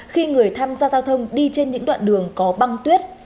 khi người tham gia giao thông đi trên những đoạn đường có băng tuyết